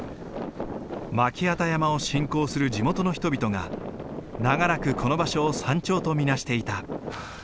巻機山を信仰する地元の人々が長らくこの場所を山頂と見なしていた。